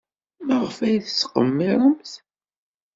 Maɣef ay tettqemmiremt?